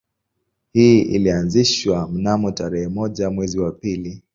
Hii ilianzishwa mnamo tarehe moja mwezi wa pili